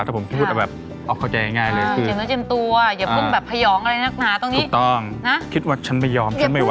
ถ้าผมพูดเอาแบบออกเข้าใจง่ายเลยคือเจ็บเนื้อเจ็บตัว